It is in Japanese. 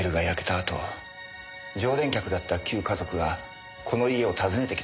あと常連客だった旧華族がこの家を訪ねてきたそうだ。